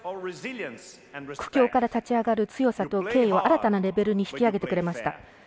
苦境から立ち直る強さと敬意を新たなレベルへ引き上げてくれました。